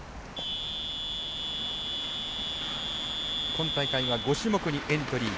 今大会は５種目にエントリー。